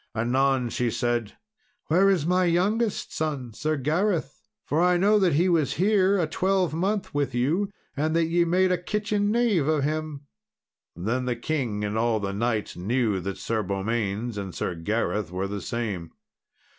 Anon she said, "Where is my youngest son, Sir Gareth? for I know that he was here a twelvemonth with you, and that ye made a kitchen knave of him. Then the king and all the knights knew that Sir Beaumains and Sir Gareth were the same.